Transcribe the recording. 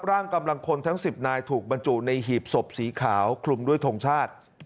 ร่างกำลังคนทั้ง๑๐นายถูกบรรจุในหีบศพสีขาวคลุมด้วยทงชาติ